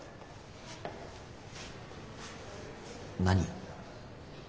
何？